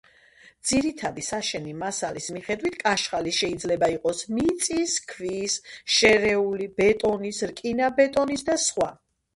ძირითადი საშენი მასალის მიხედვით კაშხალი შეიძლება იყოს მიწის, ქვის, შერეული, ბეტონის, რკინაბეტონის და სხვა.